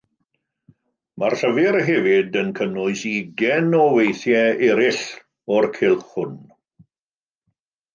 Mae'r llyfr hefyd yn cynnwys ugain o weithiau eraill o'r cylch hwn.